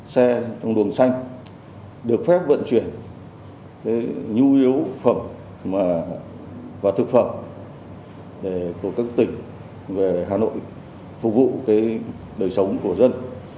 xe trong luồng xanh được phép vận chuyển nhu yếu phẩm và thực phẩm của các tỉnh về hà nội phục vụ đời sống của dân